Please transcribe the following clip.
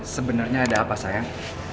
sebenernya ada apa sayang